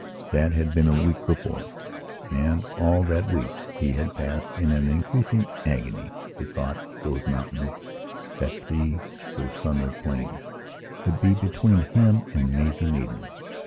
That had been a week before. And all that week he had passed in an increasing agony at the thought that those mountains, that sea, and those sunlit plains would be between him and Maisie Maidan.